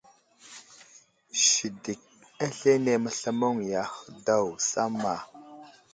Sidik aslane məslamaŋwiya ahe daw samma.